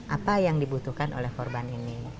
apa yang dibutuhkan oleh korban ini